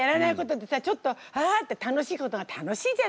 ちょっと「あ！」って楽しいことが楽しいじゃない。